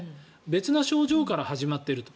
別な症状から始まっていると。